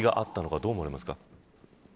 どう思われますか。